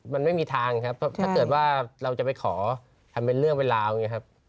มันไม่มีทางครับถ้าเกิดว่าเราจะไปขอทำเป็นเรื่องเป็นราวอย่างนี้ครับ